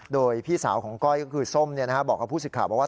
โดยพี่สาวของก้อยก็คือส้มบอกกับผู้ศึกข่าวว่า